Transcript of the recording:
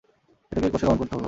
সেটাকে কষে দমন করতে হল।